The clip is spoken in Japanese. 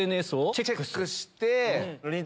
チェックして。